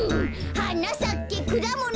「はなさけくだもの」